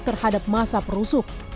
terhadap masa perusuh